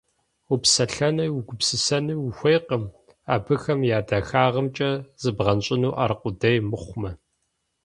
Упсэлъэнуи угупсысэнуи ухуейкъым, абыхэм я дахагъымкӀэ зыбгъэнщӀыну аркъудей мыхъумэ.